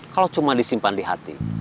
kalau cuma disimpan di hati